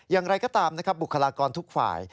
อย่างไรก็ตามนะครับบุคลากรทุกฝ่าย